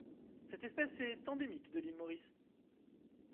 Cette espèce est endémique de l'île Maurice.